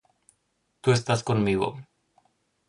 Tu estas conmigo.